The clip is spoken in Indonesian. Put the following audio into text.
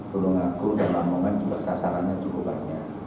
tolong aku dan amon juga sasarannya cukup banyak